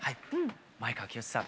前川清さん